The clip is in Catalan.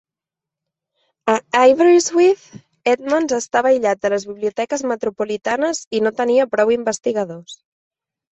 A Aberystwyth, Edmonds estava aïllat de les biblioteques metropolitanes i no tenia prou investigadors.